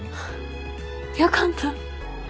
よかった。